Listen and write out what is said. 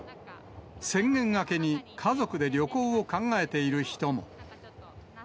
宣言明けに家族で旅行を考えている人も。